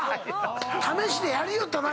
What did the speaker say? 試しでやりよったな。